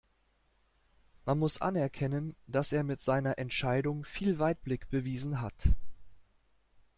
Man muss anerkennen, dass er mit seiner Entscheidung viel Weitblick bewiesen hat.